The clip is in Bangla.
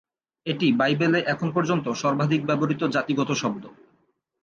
এটি বাইবেলে এখন পর্যন্ত সর্বাধিক ব্যবহৃত জাতিগত শব্দ।